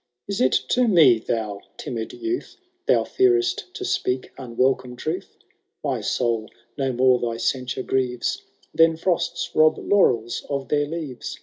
Is it to me, thou timid youth. Thou fear^ to speak unwelcome truth ? My soul no more thy censure grieves Than frosts rob laurels of their leaves.